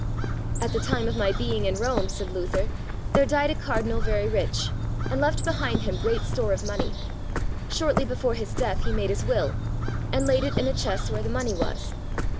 At the time of my being in Rome, said Luther, there died a Cardinal very rich, and left behind him great store of money; shortly before his death he made his will, and laid it in a chest where the money was.